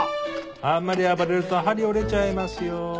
あんまり暴れると針折れちゃいますよ。